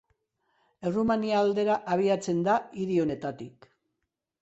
Errumania aldera abiatzen da hiri honetatik.